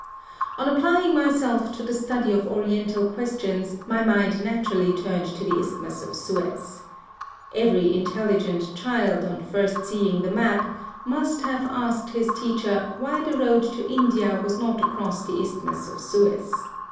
On applying myself to the study of oriental questions, my mind naturally turned to the Isthmus of Suez. Every intelligent child, on first seeing the map. THE SUEZ CANAL. 5 must have asked his teacher why the road to India was not across the Isthmus of Suez.